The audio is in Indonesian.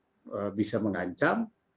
kalau ada hal yang bisa mengancam